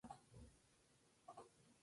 Muchos fueron inmigrantes europeos.